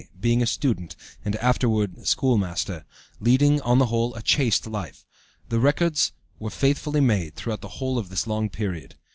being a student, and afterward schoolmaster, leading, on the whole, a chaste life. The records were faithfully made throughout the whole of this long period.